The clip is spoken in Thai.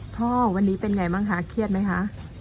พ่อวันนี้เป็นไงบ้างคะเครียดไหมคะ